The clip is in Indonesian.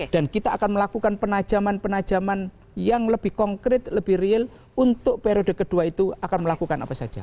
dan kita akan melakukan penajaman penajaman yang lebih konkret lebih real untuk periode kedua itu akan melakukan apa saja